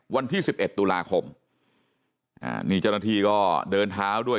วันที่สิบเอ็ดตุลาคมนี่เจ้าหน้าที่ก็เดินเท้าด้วย